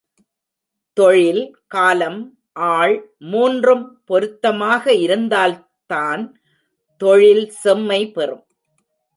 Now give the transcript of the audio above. தொழில், காலம், ஆள் மூன்றும் பொருத்தமாக இருந்தால்தான் தொழில் செம்மை பெறும்.